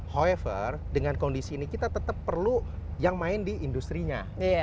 hoiver dengan kondisi ini kita tetap perlu yang main di industri nya